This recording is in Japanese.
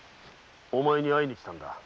お前に会いに来たんだ。